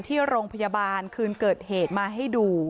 ที่โรงพยาบาลคืนเกิดเหตุมาให้ดู